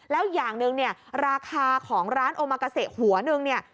แล้วอย่างหนึ่งเนี่ยราคาของร้านโอมากาเซหัวนึงเนี่ย